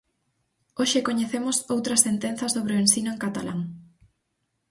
Hoxe coñecemos outra sentenza sobre o ensino en catalán.